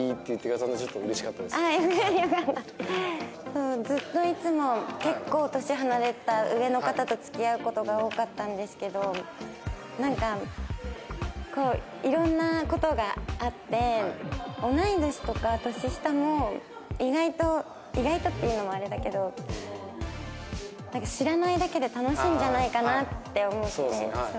そうずっといつも結構年離れた上の方と付き合う事が多かったんですけどなんかこういろんな事があって同い年とか年下も意外と「意外と」って言うのもあれだけどなんか知らないだけで楽しいんじゃないかなって思って。